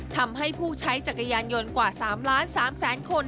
ทำให้ผู้ใช้จักรยานยนต์กว่า๓ล้าน๓แสนคน